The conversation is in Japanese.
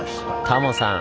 タモさん